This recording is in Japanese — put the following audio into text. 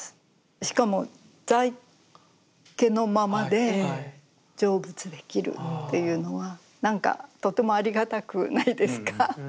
しかも在家のままで成仏できるっていうのはなんかとてもありがたくないですか。